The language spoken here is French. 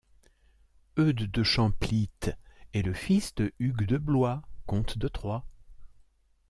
Eudes de Champlitte est le fils de Hugues de Blois, comte de Troyes.